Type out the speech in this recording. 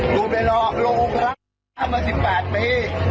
รู้จักกูดี